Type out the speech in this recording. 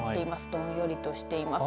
どんよりとしています。